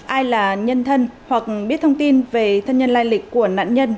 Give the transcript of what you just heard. ai là nhân thân hoặc biết thông tin về thân nhân lai lịch của nạn nhân